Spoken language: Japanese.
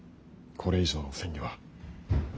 これ以上の詮議は。